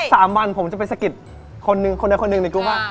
สัก๓วันผมจะไปสกิตคนหนึ่งคนหนึ่งในกรุงว่า